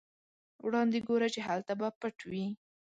وړاندې ګوره چې هلته به پټ وي.